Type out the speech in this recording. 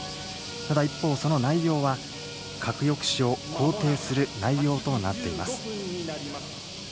ただ一方、その内容は核抑止を肯定する内容となっています。